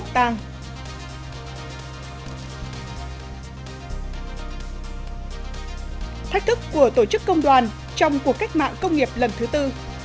thách thức của tổ chức công đoàn trong cuộc cách mạng công nghiệp lần thứ tư